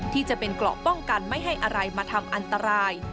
ที่จะเป็นเกราะป้องกันไม่ให้อะไรมาทำอันตราย